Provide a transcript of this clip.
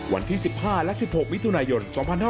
วันที่๑๕และ๑๖มิถุนายน๒๕๕๙